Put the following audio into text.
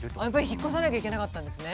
引っ越さなきゃいけなかったんですね。